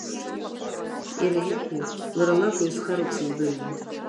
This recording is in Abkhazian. Иара иакәу, лара лакәу изхароу дсыздыруам.